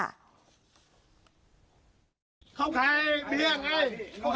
เอ่อไม่ลึกค่ะไม่ลึกค่ะ